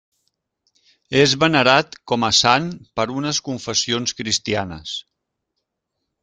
És venerat com a sant per unes confessions cristianes.